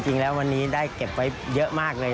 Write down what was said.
จริงแล้ววันนี้ได้เก็บไว้เยอะมากเลย